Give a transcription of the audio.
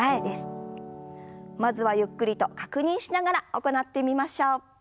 まずはゆっくりと確認しながら行ってみましょう。